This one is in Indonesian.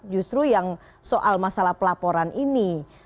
justru yang soal masalah pelaporan ini